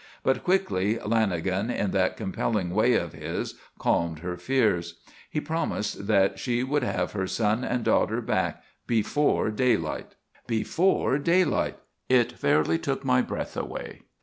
But quickly Lanagan, in that compelling way of his, calmed her fears. He promised that she would have her son and daughter back before daylight. Before daylight! It fairly took my breath away.